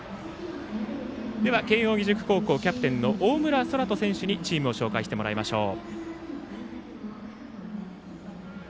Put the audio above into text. では、慶応義塾高校キャプテン大村昊澄選手にチームを紹介してもらいましょう。